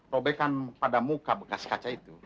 robekan pada muka bekas kaca itu